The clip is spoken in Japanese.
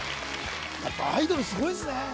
やっぱアイドルすごいですね